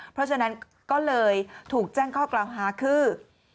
เพราะฉะนั้นก็เลยถูกแจ้งข้อกล่าวหาคือ